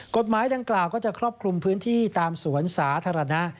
กฎหมายดังกล่าวก็จะครอบคลุมพื้นที่ตามสวนสาธารณะ